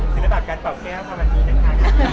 สินภาพการเปล่าแก้วสำหรับนี้นะคะ